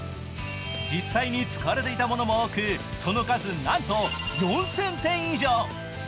実際に使われていたものも多くその数なんと４０００点以上。